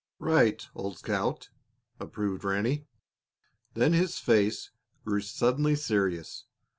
"Right, old scout!" approved Ranny. Then his face grew suddenly serious.